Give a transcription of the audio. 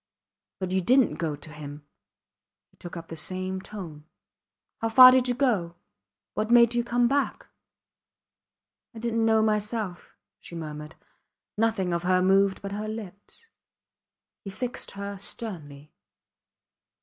But you didnt go to him, he took up in the same tone. How far did you go? What made you come back? I didnt know myself, she murmured. Nothing of her moved but her lips. He fixed her sternly.